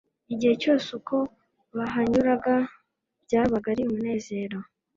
Igihe cyose uko bahanyuraga byabaga ari umunezero,